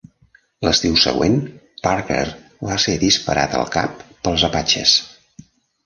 L'estiu següent, Parker va ser disparat al cap pels Apatxes.